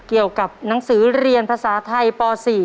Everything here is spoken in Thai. เกี่ยวกับหนังสือเรียนภาษาไทยป๔